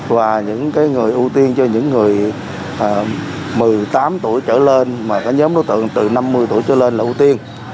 và những người ưu tiên cho những người một mươi tám tuổi trở lên mà cái nhóm đối tượng từ năm mươi tuổi trở lên là ưu tiên